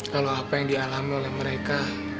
kalau apa yang dialami oleh mereka